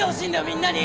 みんなに！